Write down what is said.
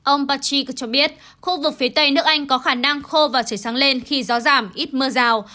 ông pachy cho biết khu vực phía tây nước anh có khả năng khô và trời sáng lên khi gió giảm